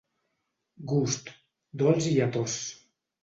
Gust: dolç i lletós.